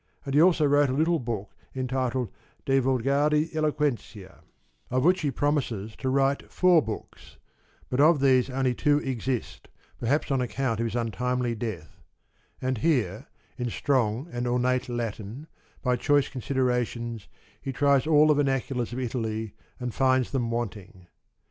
Also he wrote a little book entitled De Vulgari Eloquentia, of which he promises to write four books, but of these only two exist, perhaps on account of his untimely death ; and here, in strong and ornate Latin, by choice considerations, he tries all the ver naculars of Italy, and finds them wanting.